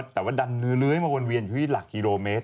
แต่ว่าดันเนื้อเลื้อยมาวนเวียนอยู่ที่หลักกิโลเมตร